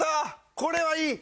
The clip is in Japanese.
これはいい！